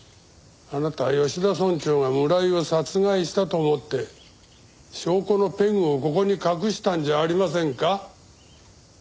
あなた吉田村長が村井を殺害したと思って証拠のペグをここに隠したんじゃありませんか？